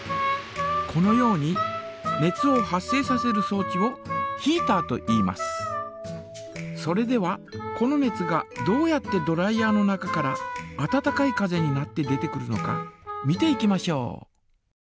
このように熱を発生させるそう置をそれではこの熱がどうやってドライヤ−の中から温かい風になって出てくるのか見ていきましょう。